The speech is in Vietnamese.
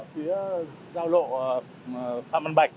phía giao lộ phạm văn bạch